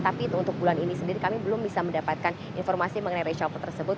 tapi untuk bulan ini sendiri kami belum bisa mendapatkan informasi mengenai reshuffle tersebut